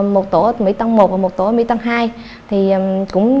một tổ ở mỹ tân một và một tổ ở mỹ tân hai